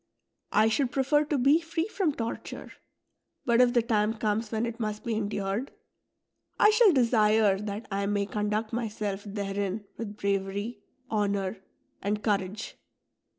1 should prefer to be free from torture ; but if the time comes when it must be endured, I shall desire that I may conduct myself therein with braver}', honour, and courage.